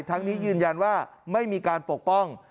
ทั้งนี้ยืนยันว่าไม่มีการปกป้อง